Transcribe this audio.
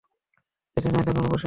এখানে একা কেনো বসে আছিস?